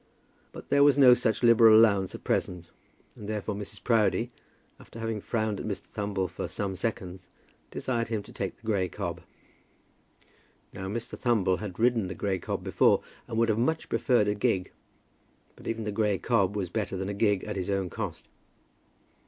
But there was no such liberal allowance at present, and, therefore, Mrs. Proudie, after having frowned at Mr. Thumble for some seconds, desired him to take the grey cob. Now, Mr. Thumble had ridden the grey cob before, and would much have preferred a gig. But even the grey cob was better than a gig at his own cost.